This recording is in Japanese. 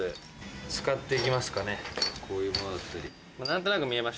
こういうものだったり。